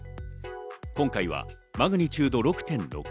今回はマグニチュード６．６。